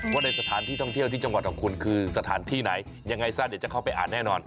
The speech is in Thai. ว่าในสถานที่ท่องเที่ยวที่จังหวัดของคุณคือสถานที่ไหนยังไงซะเดี๋ยวจะเข้าไปอ่านแน่นอน